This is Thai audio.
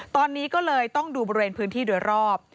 ตอนนี้ก็เลยต้องดูบริเวณพื้นที่โดยรอบ